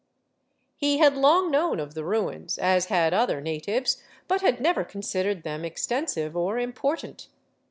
He had long known of the ruins, as had other na tives, but had never considered them extensive or important.